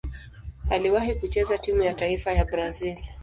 Aliwahi kucheza timu ya taifa ya Brazil.